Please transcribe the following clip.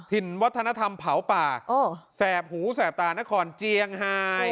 ถิ่นวัฒนธรรมเผาป่าแสบหูแสบตานครเจียงไฮ